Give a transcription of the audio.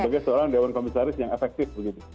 sebagai seorang dewan komisaris yang efektif begitu